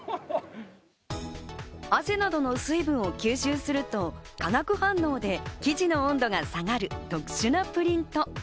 汗などの水分を吸収すると化学反応で生地の温度が下がる特殊なプリント。